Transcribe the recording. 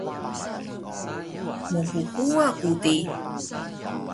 Mphuwa ku di?